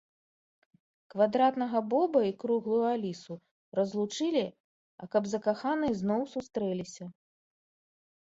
Квадратнага Боба і круглую Алісу разлучылі, а каб закаханыя зноў сустрэліся